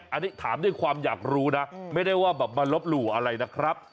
อันนี้ถามด้วยความอยากรู้นะไม่ได้ว่าแบบมาลบหลู่อะไรนะครับ